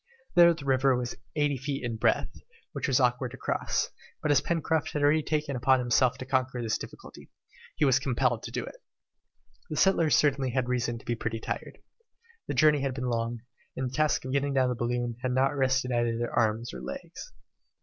There the river was eighty feet in breadth, which was awkward to cross, but as Pencroft had taken upon himself to conquer this difficulty, he was compelled to do it. The settlers certainly had reason to be pretty tired. The journey had been long, and the task of getting down the balloon had not rested either their arms or legs.